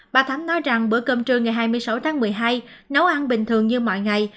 bà thắm nói rằng bữa cơm trưa ngày hai mươi sáu tháng một mươi hai nấu ăn bình thường như mọi ngày